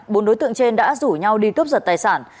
bốn đối tượng trên đã rủ nhau đi cướp giật tài sản